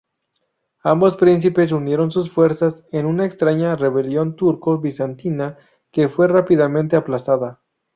Ambos príncipes unieron sus fuerzas en una extraña rebelión turco-bizantina, que fue rápidamente aplastada.